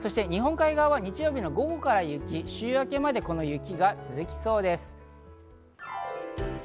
日本海側は日曜日の午後から雪、週明けまでこの雪が続きそうです。